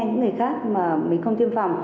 những người khác mà mình không tiêm phòng